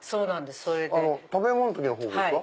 食べ物の時のフォークですか？